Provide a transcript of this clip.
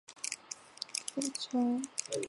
浙江鄞县人。